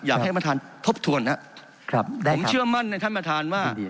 อยากให้มาทานทบทวนนะครับได้ครับผมเชื่อมั่นในท่านมาทานว่า